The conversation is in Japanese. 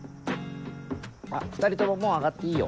２人とももう上がっていいよ。